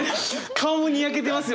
顔もニヤけてますよね！